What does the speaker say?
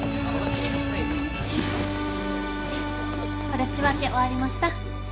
これ仕分け終わりました。